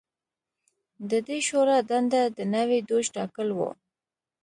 د دې شورا دنده د نوي دوج ټاکل و